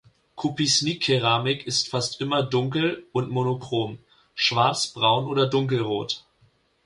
Cupisnique-Keramik ist fast immer dunkel und monochrom, schwarz, braun oder dunkelrot.